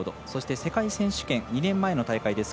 世界選手権２年前の大会